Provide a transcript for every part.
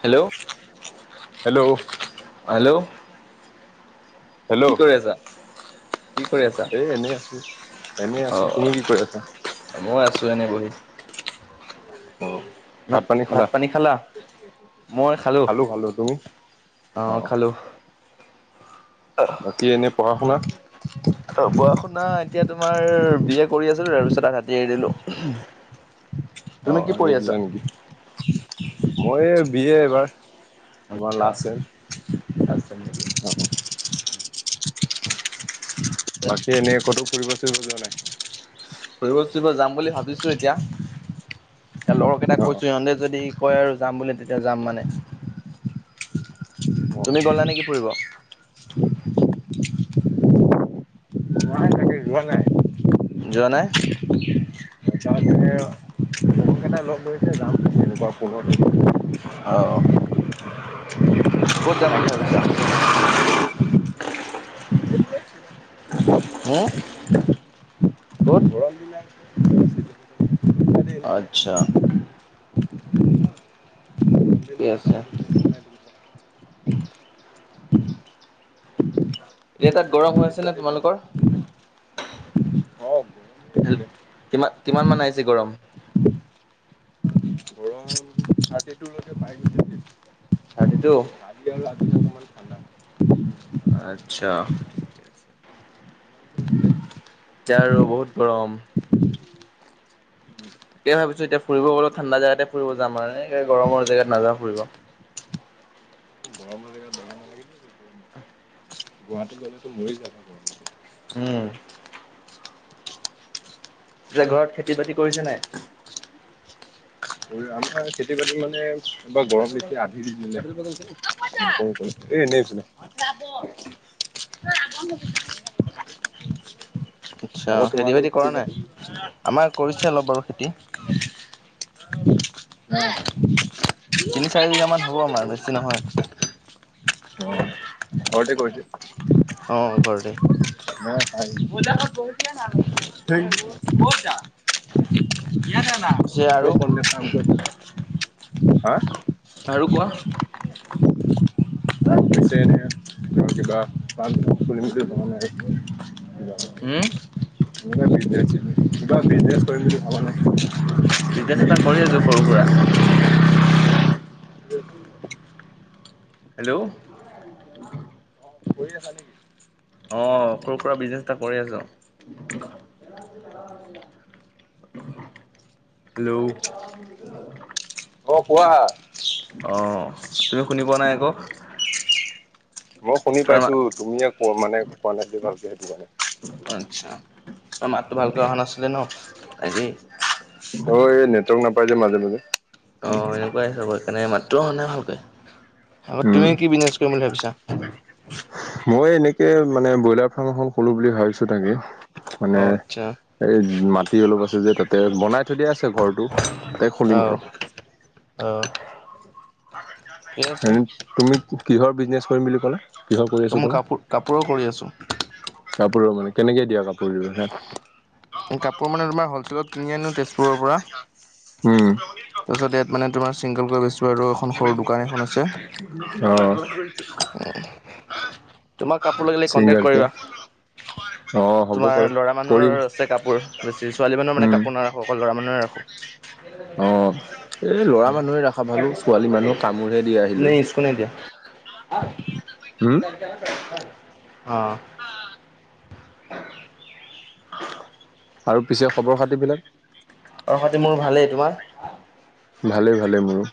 Hello? অ', hello hello? Hello কি কৰি আছা? কি কৰি আছা এই এনে আছো, এনে অ আছো তুমি কি কৰি আছা? মই আছো এনেই বহি। অ ভাত-ভাত পানী খালা? মই খালো, অ', খালো। বাকী এনেই পঢ়া-শুনা? অ', পঢ়া শুনা এতিয়া তোমাৰ বি এ কৰি আছিলো, তাৰপিছত আধাতে এৰি দিলো। তুমি অ', কি অ', পঢ়ি এৰি আছা দিলা নেকি? মই বি এ এইবাৰ। তোমাৰ লাষ্ট ছেম। লাষ্ট ছেম নেকি? বাকী এনেই ক'তো ফুৰিব চুৰিব যোৱা নাই? ফুৰিব-চুৰিব যাম বুলি ভাবিছো এতিয়া। হেই লগৰ কেইটাক অ কৈছো, সিহঁতে যদি কয় আৰু যাম বুলি তেতিয়া যাম মানে। অ তুমি গ'লা নেকি ফুৰিব? যোৱা নাই। যোৱা নাই? [inaudible] সেই কাৰণে লগ কৰিছে যাম বুলি এনেকুৱা ফোনত অ, ক'ত যাম বুলি ভাবিছা? হ, ক'ত? [inaudible] [inaudible] আচ্ছা। ঠিকে আছে। এতিয়া তাত গৰম হৈ আছে নে তোমালোকৰ? হেল কিমান কিমান মমান আহিছে গৰম? [inaudible] Thirty two? [inaudible] আচ্ছা। এতিয়া আৰু বহুত গৰম। তাকে ভাবিছো এয়া ফুব গল ঠান্দা জোতে ফুব য মানে গৰ জোত নাযাউ ফুৰিব। [inaudible] গুৱাহাটী গ'লেতো মৰি যাব না গুৱাহাটীত উম। যে ঘৰত খেতি বাতি কৰিছে নাই? আমাৰ খেতি বাতি মানে এবাৰ গৰম দেখি আধি দি দিলে। [inaudible] আচ্ছা খেতি বাতি কৰা নাই আকৌ আমাৰ তোমালোকৰ কৰিছে অলপ বাৰু খেতি বাতি? [inaudible] তিনি চাৰি বিঘা মান [inaudible] হ'ব আমাৰ বেছি নহয় অ, ঘৰতে কৈৰিছ? অ, ঘৰতে। [inaudible] [inaudible] [inaudible] পিছে আৰু হা অ। [inaudible] কিবা [inaudible] উম, [inaudible] বিজনেচ কৰিম বুলি ভাবা নাই? বিজনেছ এটা কৰি আছো সৰু সুৰা। হেল্ল'। কৰি আছা নেকি? অ, সৰু সুৰা বিজনেছ এটা কৰি আছো। হেল্ল'। অ, কোৱা। অ', তুমি শুনি পোৱা নাই আকৌ। মই শুনি তাৰ পাইছোঁ তুমিয়ে ক মানে কোৱা নাই বুলি ভালকৈ সেইটো কাৰণে। আচ্ছা তোমাৰ মাতটো ভালকৈ অহা নাছিলে ন তাকেই অ, এই নেটৱৰ্ক নাপাই যে মাজে মাজে। অ', এনেকুৱাইাব সকাৰণে মাত্ৰ হ নাই ভকৈ উম তুমে কি বিজনেছ কৰিম বুলি ভাবিছা? মই এনেকে মানে ব্ৰইলাৰ ফাৰ্ম এখন কলো বুলি ভাবিছো তাকে। অ মানে আচ্ছা এই মাটি অলপ আছে যে তাতে বনাই থৈ দিয়া আছে ঘৰটো। খুলিম আৰু। অ', অ। তুমি কিহৰ বিজনেচ কৰিম বুলি ক'লা? কিহৰ কৰি ত আছো মই কল কাপোৰ কাপোৰৰ কৰি আছোঁ কাপোৰৰ মানে কেনেকে দিয়া কাপোৰ হাত কাপোৰ মানে তোমাৰ হ'লচেল কিনি আনো তেজপুৰৰ পৰা। উম। তাৰপিছত ইয়াত মানে তোমাৰ চিংগলকৈ বেচছো আৰু এখন সৰু দোকান এখন আছে অ তোমাক কাপোৰ লিলে কণ্টেক্ট ছিংগাৰকে কৰিবা অ হ'ব তোমাৰ বাৰু ল'ৰা মানুহৰ কৰিম আছে কোৰ বেছি ছোৱালী মানুহৰ মানে উম কাপোৰ নাৰাখো অকল ল'ৰা মানুহে ৰাখো অ এ ল'ৰা মানুহে ৰাখা ভালো ছোৱালী মানুহ কামোৰহে দি নে আহিলে স্কু নিদিয়া অ আৰু পিছে খবৰ খাতিবিলাক খবৰ সাতি মোৰ ভালেই তোমাৰ ভালেই ভালেই মোৰো।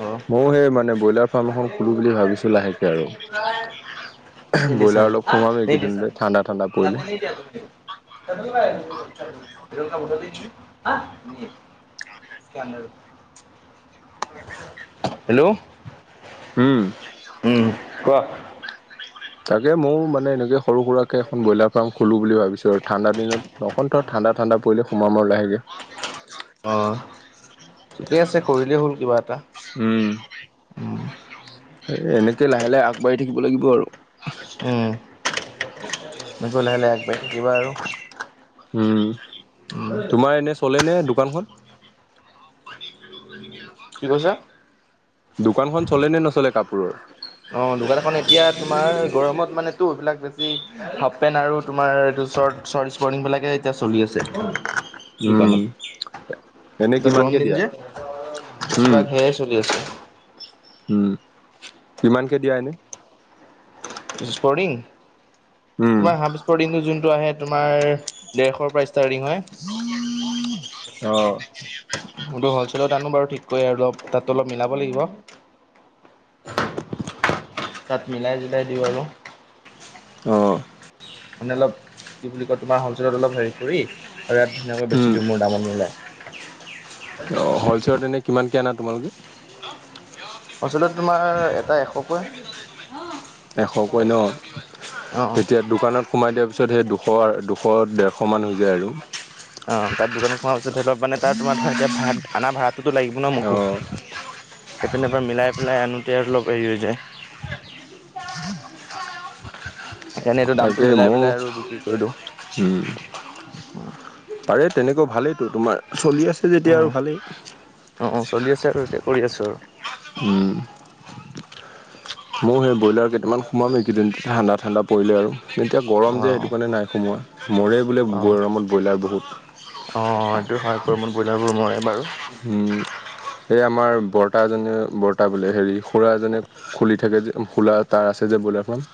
অ'। ময়ো সেই মানে ব্ৰইলাৰ ফাৰ্ম এখন খুলো বুলি ভাবিছোঁ লাহেকে আৰু। ব্ৰইলাৰ অলপ সোমাম এইকেইদিনতে ঠাণ্ডা ঠাণ্ডা পৰিলে। [unintelligible] [unintelligible] হেল্ল' উম। উম, কোৱা। তাকে ময়ো মানে এনেকৈ সৰু সুৰাকৈ এখন ব্ৰইলাৰ ফাৰ্ম খোলোঁ বুলি ভাবিছোঁ আৰু ঠাণ্ডা দিনত। অকণ ধৰ ঠাণ্ডা ঠাণ্ডা পৰিলে সোমাম আৰু লাহেকে। অ', ঠিকে আছে কৰিলে হ'ল কিবা এটা। উম। উম, এনেকে লাহে লাহে আগবাঢ়ি থাকিব লাগিব আৰু। উম। এনেকে লাহে লাহে আগবাঢ়ি থাকিবা আৰু। উম, উম, তোমাৰ এনে চলে নে দোকানখন? [unintelligible] কি কৈছা? দোকানখন চলে নে নচলে কাপোৰৰ? অ', দোকান এখন এতিয়া তোমাৰ গৰমত মানেতো সেই বিলাক বেছি হাফ পেণ্ট আৰু তোমাৰ এইটো স্পৰ্টিং বিলাকে এতিয়া চলি আছে উম দোকানত এনে এতিয়া কিমানকে গৰম দিন দিয়া যে উম বেছিভাগ সেয়াই চলি আছে। উম, কিমানকে দিয়া এনে? স্পৰ্টিং উম তোমাৰ হাফ স্পৰ্টিং টো যোনটো আহে। তোমাৰ ডেৰশৰ পৰা ষ্টাৰ্টিং হয়। অ'। বোলো হ'লচেলত আনো বাৰু ঠিককৈ আৰু অলপ তাতো অলপ মিলাব লাগিব। তাত মিলাই চিলাই দিওঁ আৰু। অ'। মানে অলপ কি বুলি কয় তোমাৰ হোলছেলত অলপ হেৰি কৰি আৰু ইয়াত ধুনীয়াকৈ উম বেছি দিও মোৰ দামত মিলাই। অ', হ'লচেলত এনে কিমানকে আনা তোমালোকে? [unintelligible] তোমাৰ এটা এশকৈ। এশকৈ ন অ অ তেতিয়া দোকানত সোমাই দিয়াৰ পিছত সেই দুশ দুশ ডেৰশমান হৈ যায় আৰু। অ', তাৰ দোকান তোমাৰ পিছত সেইবাৰ মানে ত তোমাৰ ধৰা এতিয়া ভাড়া-ভাড়াটোতো লাগিব ন মোকো? অঁ পিনেব মিলাই পেলাই আনোতে আৰু অলপ হেৰি হৈ যায়। সেইকাৰনে, এইটো দামটো মিলাই পেলাই আৰু বিক্ৰী কৰি দিও। উ, পাৰে তেনেকুৱা ভালেই তো তোমাৰ চলি আছে। যেতিয়া আৰু ভালেই। অ', চলি আছে আৰু এতিয়া কৰি আছো আৰু। উম, ময়ো সেই ব্ৰইলাৰ কেইটান সোমাম এইকেইদিন ঠাণ্ডা ঠাণ্ডা পৰিলে আৰু এতিয়া গৰ যে সেইটো কাৰণে নাই সোমোৱা মৰে বোলে অ অ গৰমত ব্ৰইলাৰ বহুত। অ', এইটো হয়, গৰমত ব্ৰইলাৰবোৰ মৰে বাৰু এই আমাৰ বৰ্তাজনে বৰ্তা বোলে হেৰি খুৰা এজনে খুলি থাকে যে, খোলা তাৰ আছে যে বইলাৰ ফ্ৰাম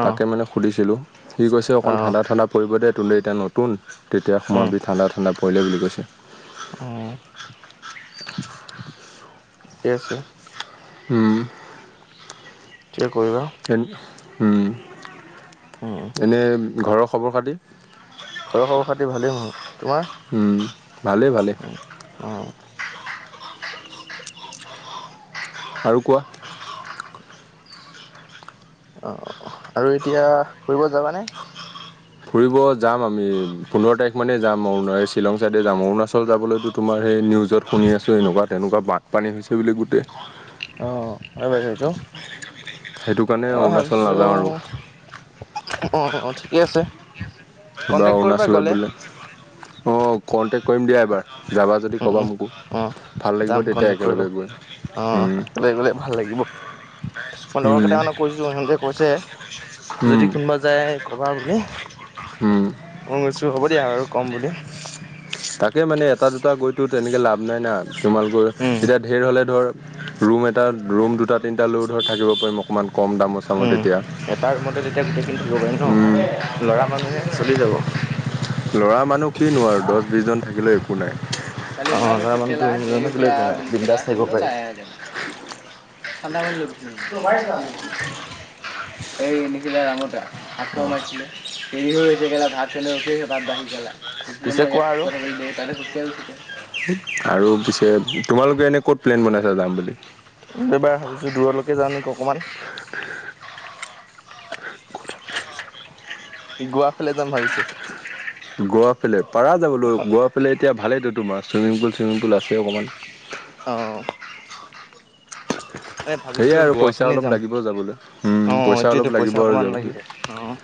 অ তাকে, মানে সুধিছিলোঁ সি কৈছে অ অকণ ঠাণ্ডা ঠাণ্ডা পৰিব দে তোলে এতিয়া নতুন তেতিয়া সোৱাবি ঠাণ্ডা, ঠাণ্ডা পৰিলে বুলি কৈছে উ, ঠিকে আছে। উম, কিয় কৰিবা উম এনেই ঘৰৰ খবৰ খাতি ঘৰৰ খবৰ খাতি ভালেই, তোমাৰ? উম, ভালে ভালে। উ, আৰু কোৱা? অ', আৰু এতিয়া ফুৰিব যাবানে? ফুৰিব যাম আমি পোন্ধৰ তাৰিখ মানে যাম শ্বিলং চাইডে যাম অৰুণাচল যাবলৈতো তোমাৰ সেই নিউজত শুনি আছোঁ, এনেকুৱা তেনেকুৱা বানপানী হৈছে বুলি গোটেই আহ, [unintelligible] অ', সেইটো কাৰণে অৰুণাচল ভাবছো নাযাওঁ আৰু অ', অ', ঠিকে আছে। কিবা কণ্টেক্ট কৰিবা অৰুণাচলত গ'লে বোলে, অ', কনটেক্ট কৰিম দিয়া এবাৰ যাবা যদি, ক'বা মোকো অঁ ভাল লাগিব যাম, তেতিয়া কণ্টেকট কৰিব একেলগে অ', গৈ ওলাই পলাই ভাল লাগিব। মই, লগৰ কেইট উম, মানে কৈছো, সিহঁতে কৈছে যদি কোনোবা যায়, ক'বা বুলি হম, মই কৈছো হ'ব দিয়া, আৰু ক'ম বুলি। তাকে, মানে এটা দুটা গৈতো তেনেকে লাভ নাই না, তোমালোকৰ উম এতিয়া ধেৰ হ'লে ধৰ ৰুম এটা, ৰুম দুটা, তিনটা লৈও ধৰ থাকিব পাৰিম অকণমান কম দামৰ চামত উম এতিয়া এটা, ৰুমতে তেতিয়া গোটেইখিনি থাকিব পাৰিম উম, ন ল'ৰা মানুহে চলি যাব লৰা মানুহ কিনো আৰু দহ বিশজন থাকিলে একো নাই। খালি মই অঁ ল'ৰা [unintelligible] মানুহটো কেলা থাকিলে একো [unintelligible] নাই বুলি কেলা বিন্দাছ থাকিব পাৰি নাই [unintelligible] চানদামান ল এই এনেকি [unintelligible] ভাত খাৱ উম মাতিছিলে দেৰি হৈছে কেলা ভাত [unintelligible] ভাত বাঢ়ি [unintelligible] ডিপ্ল'মা পিছে ইয়াত কোৱা আৰু কৰা তাৰে সুবিধা আৰু পিছে তোমালোকে, নে ক'ত প্লেন বনাইছা যাম বুলি। এবাৰ ভাবিছো, দুৰলৈকে যাওঁ নেকি অকণমান গোৱা, ফালে যাম ভাবিছো। গোৱা ফালে, পাৰা যাবলৈ গোৱা ফালে, এতিয়া ভালেইেতো তোমাৰ চুইমিং পুল চুইমিং পুল আছে অকণমান অ', এই ভাবিছো সেয়াই আৰু গোৱা পইচা ফালে অলপ যাম। লাগিব যাবলৈ উম অ', পইচা অলপ এতিয়ো লাগিব পইচা আৰু অকমান যাবলৈ। লাগিব। অ',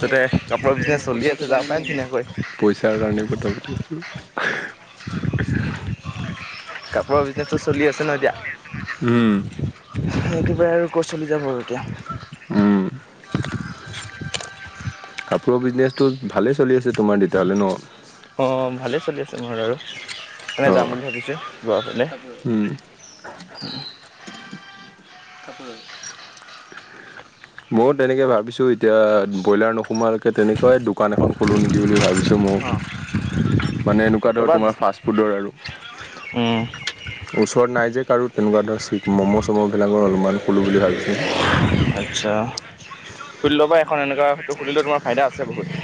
তাতে কাপোৰৰ বিজনেছ মোৰ চলি পইচাটো আছে যাব জানিলে পাৰে ন এনেই। ধুনীয়াকৈ। পইচাৰ কাৰণে পদ্ধ পতিছোঁ। কাপোৰৰ বিজনেচটো চলি আছে ন এতিয়া? উম একেবাৰে আৰু ক চলি যাব আৰু এতিয়া। উম, কাপোৰৰ বিজনেচটো ভালে চলি আছে তোমাৰ তেতিয়াহ'লে ন? অ', ভালেই চলি আছে মোৰ আৰু। এনে যাম অ', বুলি ভাবিছো যোৱাৰ পিনে উম। [inaudible] [inaudible] ময়ো তেনেকৈ ভাবিছোঁ এতিয়া ব্ৰইলাৰ নোসোমোৱালৈকে তেনেকুৱাই দোকান এখন খোলোঁ নেকি বুলি ভাবিছোঁ ময়। মানে এনেকুৱা ধৰ ক'ৰবাত তোমাৰ ফাষ্টফুডৰ আৰু। উম ওচৰত নাই যে কাৰো তেনেকুৱা ধৰ ম'ম' চ'ম'বিলাকৰ অলপমান খোলোঁ বুলি ভাবিছোঁ। আচ্ছা খুলি ল'বা এখন এনেকুৱা তটো খুলিলেও তোমাৰ ফাইদা আছে বহুত।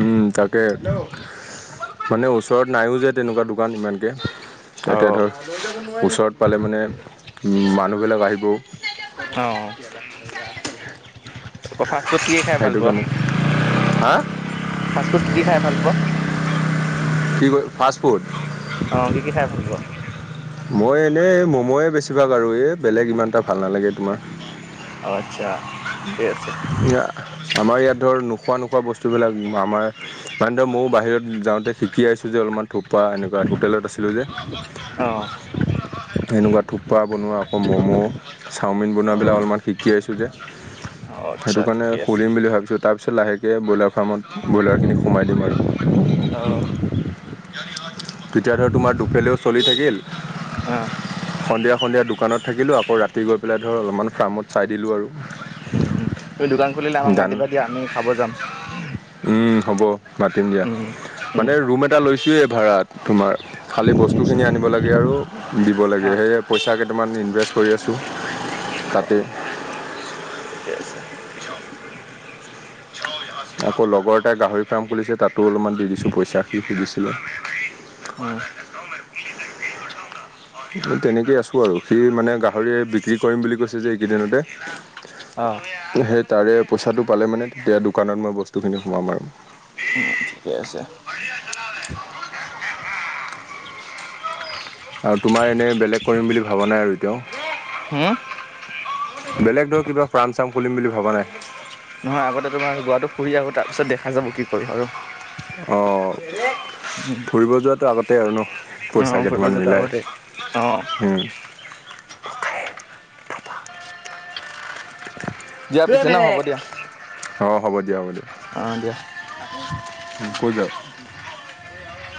উম তাকে মানে ওচৰত নাইও যে তেনেকুৱা দোকান ইমানকে। অ তোতিয়া ধৰ ওচৰত পালে মানে মানুহবিলাক আহিবও। অ'। অ' ফাষ্টফুড কি কি খাই ভাল সেইটো পোৱা? কাৰণে হা ফাষ্টফুড কি কি খাই ভাল পোৱা? কি ফাষ্টফুড? অ', কি কি খাই ভাল পোৱা? মই এনেই মমোে বেছিভাগ আৰু এই বেলেগ ইমান এটা ভাল নালাগে তোমাৰ। অ আচ্ছা ঠিকে আছে [inaudible] আমাৰ ইয়াত ধৰ নোখোৱা নোখোৱা বস্তুবিলাক আমাৰ প্ৰানে ময়ো বাহিৰত যাওঁতে শিকি আহছোঁ যে অলপমান থোপা এনেকুৱা হোটেলত আছিলোঁ যে। অ'। সেনেকুৱা থোপৰা বনোৱা আকৌ ম'ম' চাওমিন বনোৱাবিলাক অলপমান শিকিাইছোঁ যে। হয়। সেইটো কাৰণে সুলিম বুলি ভাবিছো। তাৰপিছত লাহেকৈ ব্ৰইলাৰ ফাৰ্মত ব্ৰইলাৰখিনি সোমাই দিম আৰু। তেতিয়া ধৰ তোমাৰ দুফেলেও চলি থাকিল। অ'। সন্ধিয়া সন্ধিয়া দোকানত থাকিলো আকৌ ৰাতি গৈ পেলাই ধৰ অলপমান ফাৰ্মত চাই দিলো আৰু। উম, তুমি দোকান খুলিলে আমাক মাতিবা দিয়া আমি খাব যাম। উম, হ'ব মাতিম দিয়া। উম, উম। মানে ৰুম এটা লৈছোয়ে ভাড়াত তোমাৰ খালি বস্তু খিনি আনিব লাগে। লে আৰু দিব লাগে হা সেয়ে পইচা কেইটামান ইনভেষ্ট কৰি আছোঁ তাতে। কে আছে। আকৌ লগৰ এটা গাহৰি ফাৰ্ম খুলিছে তাতো অলপমান দি দিছো পইচা সুধছিলো। অ'। তেনেকেই আছোঁ আৰু সি মানে গাহৰিয় বিক্ৰী কৰিম বুলি কৈছে যে এইকেইদিনতে। অ'। সেই তাৰে পইচাটো পালে মানে তেতিয়া দোকানত মই বস্তু খিনি সোমাম আৰু। উম, ঠিকে আছে। আৰু তোমাৰ এনেই বেলেগ কৰিম বুলি ভাবা নাই আৰু এতিয়াও। হুম। বেলেগ ধৰ কিবা প্ৰাণ চাম খুলিম বুলি ভাবা নাই। নহয় আগতে তোমাৰ গোৱাটো ফুৰি আহু তাৰ পিছত দেখা যাব কি কৰো আৰু। অ'। উম। ফুৰিব যোৱাতটো আগতে আৰু ন? পইচা অ', ফুৰিব কেইটামান যোৱাটো মিলাই। আগতে অ', উম, দিয়া পিছে ন হ'ব দিয়া অ' হ'ব দিয়া হ'ব দিয়া। অ' দিয়া। [inaudible] দিয়া।